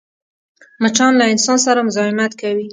مچان له انسان سره مزاحمت کوي